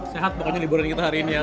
sehat pokoknya liburan kita hari ini ya